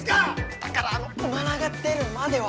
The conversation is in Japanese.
だからあのおならが出るまでは。